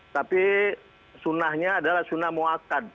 tapi sunnahnya adalah sunnah muakad